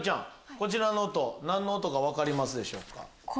こちらの音何の音か分かりますでしょうか？